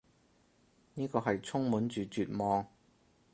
呢個係充滿住絕望